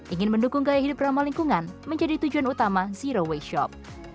ingin mendukung gaya hidup ramah lingkungan menjadi tujuan utama zero waste shop